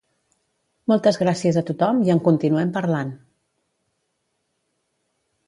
Moltes gràcies a tothom, i en continuem parlant!